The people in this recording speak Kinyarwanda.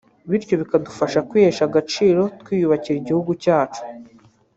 bityo bikadufasha kwihesha agaciro twiyubakira igihugu cyacu